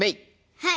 はい！